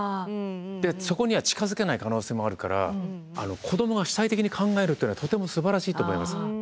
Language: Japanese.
そこには近づけない可能性もあるから子どもが主体的に考えるっていうのはとてもすばらしいと思います。